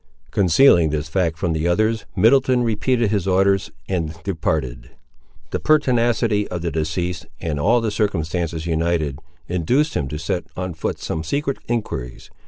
Concealing this fact from the others, Middleton repeated his orders and departed. The pertinacity of the deceased, and all the circumstances united, induced him to set on foot some secret enquiries.